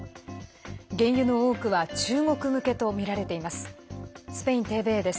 原油の多くは中国向けとみられています。